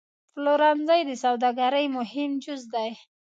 پلورنځی د سوداګرۍ مهم جز دی.